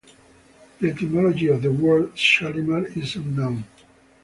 The etymology of the word 'Shalimar' is unknown.